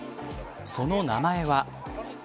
その名前は。